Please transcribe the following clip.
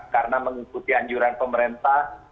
karena mengikuti anjuran pemerintah